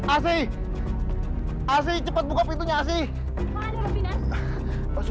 asyik asyik cepat buka pintunya asyik